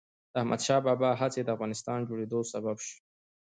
د احمد شاه بابا هڅې د افغانستان د جوړېدو سبب سوي.